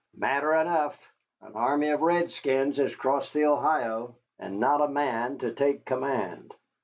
"Matter enough! An army of redskins has crossed the Ohio, and not a man to take command.